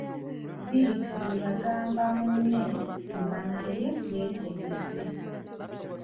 Bittu bye yagamba munne nga yenna yeetegese!